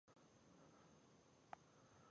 د دې کار اصلي علت د همغږۍ نشتون دی